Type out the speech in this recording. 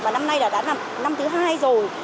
và năm nay đã là năm thứ hai rồi